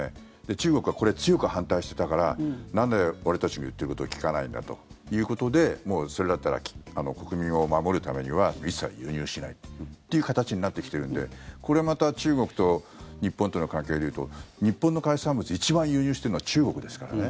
中国はこれ、強く反対していたからなんで俺たちの言っていることを聞かないんだということでそれだったら国民を守るためには一切輸入しないっていう形になってきているのでこれまた中国と日本との関係でいうと日本の海産物一番輸入しているのは中国ですからね。